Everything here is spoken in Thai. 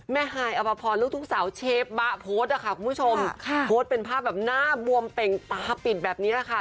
ฮายอภพรลูกทุ่งสาวเชฟบะโพสต์อะค่ะคุณผู้ชมค่ะโพสต์เป็นภาพแบบหน้าบวมเป่งตาปิดแบบนี้แหละค่ะ